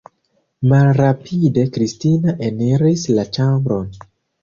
Malrapide Kristina eniris la ĉambron.